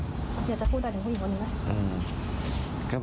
อยากจะพูดได้ถึงผู้หญิงคนหนึ่งนะ